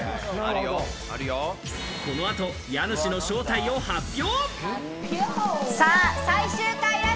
この後、家主の正体を発表！